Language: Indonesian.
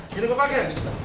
ini ini aku pakai